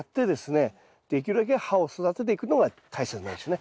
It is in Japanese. できるだけ葉を育てていくのが大切なんですねはい。